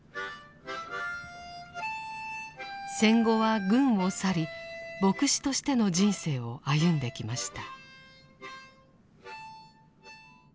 戦後は軍を去り牧師としての人生を歩んできました。